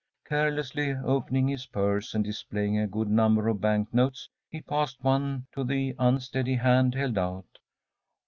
‚ÄĚ Carelessly opening his purse, and displaying a good number of bank notes, he passed one to the unsteady hand held out.